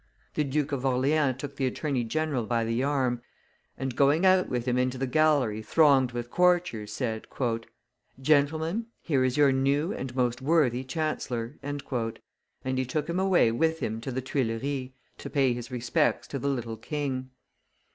The Duke of Orleans took the attorney general by the arm and, going out with him into the gallery thronged with courtiers, said, "Gentlemen, here is your new and most worthy chancellor!" and he took him away with him to the Tuileries, to pay his respects to the little king.